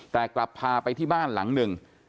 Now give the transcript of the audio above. แต่กลับพาไปที่บ้านหลังหนึ่ง